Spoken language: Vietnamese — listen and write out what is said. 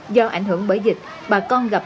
do ảnh hưởng bởi dịch bà con gặp